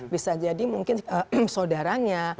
bisa jadi mungkin saudaranya